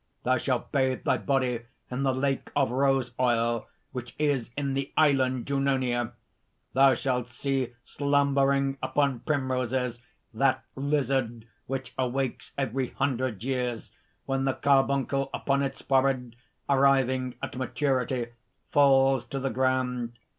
Thou shalt bathe thy body in the lake of Rose oil which is in the Island Junonia. Thou shalt see slumbering upon primroses that Lizard which awakes every hundred years when the carbuncle upon its forehead, arriving at maturity, falls to the ground.